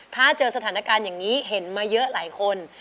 ถ้าเจอสถานการณ์อย่างนี้เห็นมาเยอะหลายคน